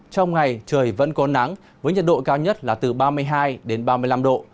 trong ngày trời vẫn có nắng với nhiệt độ cao nhất là từ ba mươi hai ba mươi năm độ